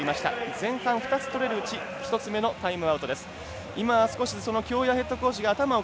前半２つ取れるうちの１つ目のタイムアウトです。